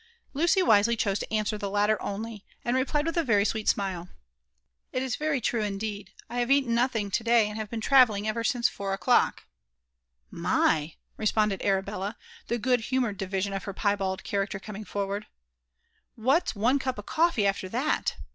Lucy wisely chose to answer to the latter only, and replied with a very sweet smile, ♦* It is very true, indeed. I. have eaten nothing to day, and have been travelling ever since four o'clock/^ '* My — I " responded Arabella, the good humoured division of her piebald, character coming forward; what's one cop of cotfee after ibaX